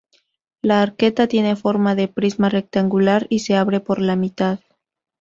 La arqueta tiene forma de prisma rectangular, y se abre por la mitad.